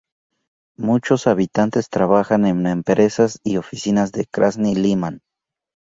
Muchos habitantes trabajan en empresas y oficinas de Krasni Liman.